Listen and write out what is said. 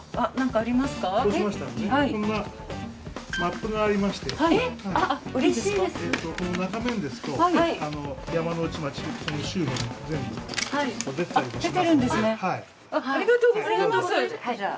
ありがとうございます。